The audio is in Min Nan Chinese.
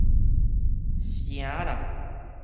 唌人